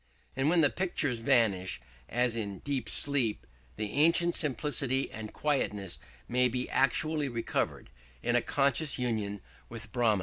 And when the pictures vanish, as in deep sleep, the ancient simplicity and quietness may be actually recovered, in a conscious union with Brahma.